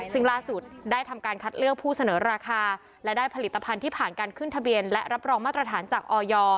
ซึ่งล่าสุดได้ทำการคัดเลือกผู้เสนอราคาและได้ผลิตภัณฑ์ที่ผ่านการขึ้นทะเบียนและรับรองมาตรฐานจากออย